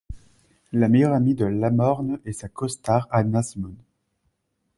La meilleure amie de Lamorne est sa co-star Hannah Simone.